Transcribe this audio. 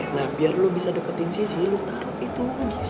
nah biar lo bisa deketin sisi lo taruh itu